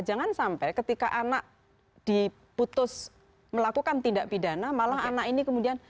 jangan sampai ketika anak diputus melakukan tindak pidana malah anak ini kemudian